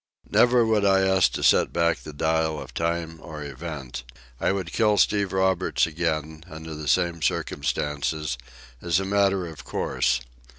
Never would I ask to set back the dial of time or event. I would kill Steve Roberts again, under the same circumstances, as a matter of course.